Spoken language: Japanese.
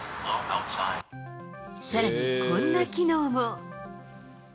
さらにこんな機能も。